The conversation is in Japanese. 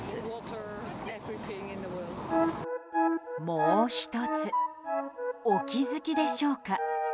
もう１つお気づきでしょうか？